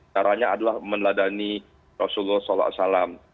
caranya adalah meneladani rasulullah saw